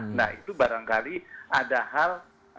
nah itu barangkali ada hal